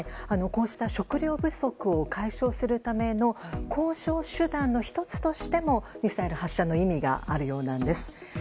こうした食糧不足を解消するための交渉手段の１つとしてもミサイル発射の意味があるようなんです。